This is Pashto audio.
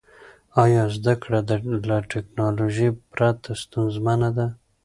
آیا زده کړه له ټیکنالوژۍ پرته ستونزمنه ده؟